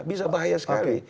bisa bahaya sekali